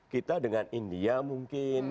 kita dengan india mungkin